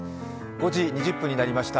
５時２０分になりました。